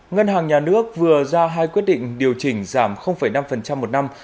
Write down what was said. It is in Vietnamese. ngân hàng nhà nước vừa ra hai quyết định điều chỉnh giảm năm một năm